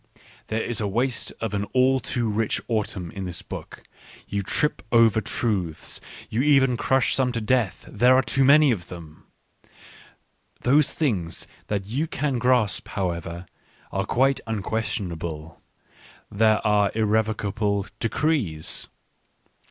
There is the waste of an all too rich autumn in this book : you trip over truths. You even crush some to death, there are too many of them. Those things that you can grasp, however, are quite unquestionable ; they are irrevocable decrees.